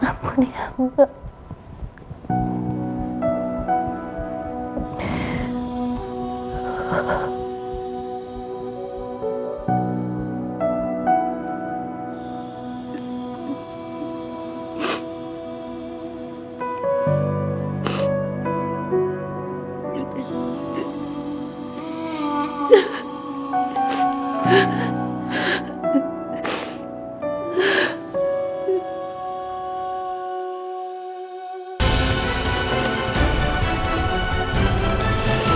amu diam buang